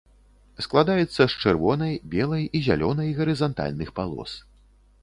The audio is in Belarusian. Складаецца з чырвонай, белай і зялёнай гарызантальных палос.